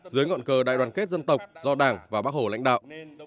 dưới ngọn cờ đại đoàn kết dân tộc do đảng và bác hồ lãnh đạo